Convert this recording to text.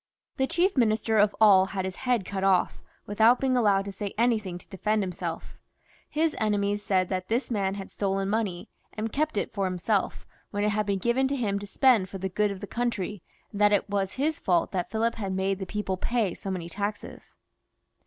The chief Minister of all had his head cut off, without being allowed to say anything to defend himself. His enemies said that this man had stolen money, and kept it 140 LOUIS X, {LE HUTIN), [ch. for himself, when it had been given to him to spend for the good of the country, and that it was his fault that Philip had made the people pay so many taxes.